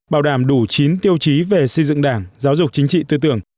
bảo đảm đủ chín tiêu chí về xây dựng đảng giáo dục chính trị tư tưởng